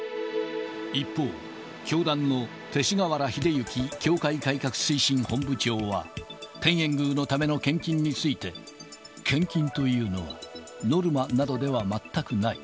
一方、教団の勅使河原秀行教会改革推進本部長は、天苑宮のための献金について、献金というのはノルマなどでは全くない。